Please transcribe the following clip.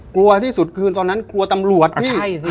กลัวที่สุดคืนตอนนั้นกลัวตำรวจพี่